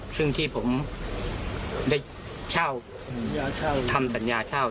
ซึ่งที่ผมได้เช่าทำสัญญาเช่า